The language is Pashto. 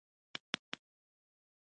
ډرامه د مورنۍ ژبې پرمختګ ته لاره هواروي